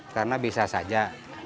karena bisa saja